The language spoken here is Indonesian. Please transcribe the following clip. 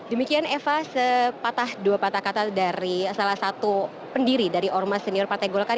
demikian eva sepatah dua patah kata dari salah satu pendiri dari ormas senior partai golkar